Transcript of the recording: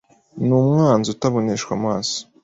Ni umwanzi utaboneshwa amaso.